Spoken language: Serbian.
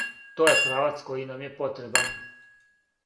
То је правац који нам је потребан.